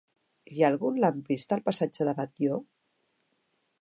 Hi ha algun lampista al passatge de Batlló?